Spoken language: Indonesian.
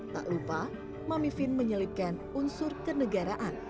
tak lupa mami vin menyelipkan unsur kenegaraan